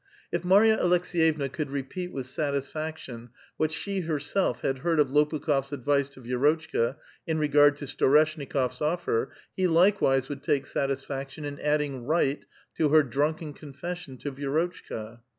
If Marya Aleksi^yevna could repeat with :>atisfaction what she herself had heard of ]A)pukli6f's advice to Vierotchka in i*egard to Storeshnikof's otTer, he likewise would take satisfaction in adding rigid to her drunken confession to Vierotchka.